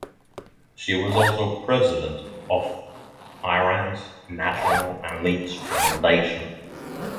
She was also president of Iran's National Elites Foundation.